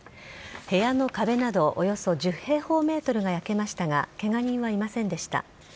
部屋の壁などおよそ１０平方メートルが焼けましたが、けが人はいませんでした。